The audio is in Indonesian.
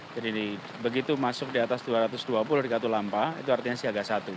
jadi begitu masuk di atas dua ratus dua puluh di katulampa itu artinya siaga satu